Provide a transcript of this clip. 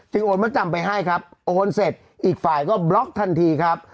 โอนมดจำไปให้ครับโอนเสร็จอีกฝ่ายก็บล็อกทันทีครับ